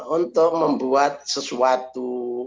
untuk membuat sesuatu